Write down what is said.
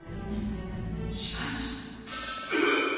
しかし。えっ！